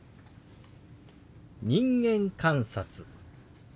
「人間観察」。